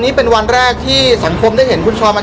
พี่แจงในประเด็นที่เกี่ยวข้องกับความผิดที่ถูกเกาหา